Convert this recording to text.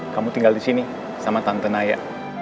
kamu tinggal di sini sama tante naya